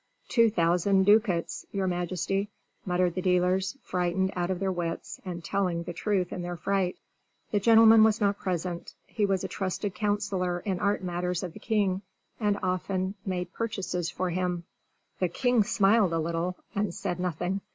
"Two thousand ducats, your majesty," muttered the dealers, frightened out of their wits, and telling the truth in their fright. The gentleman was not present: he was a trusted counselor in art matters of the king's, and often made purchases for him. The king smiled a little, and said nothing.